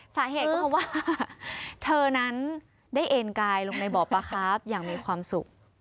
สาเหตุก็เพราะว่าเธอนั้นได้เอ็นกายลงในบ่อปลาครับอย่างมีความสุข